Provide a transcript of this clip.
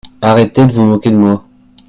Arrêtez de vous moquer de moi.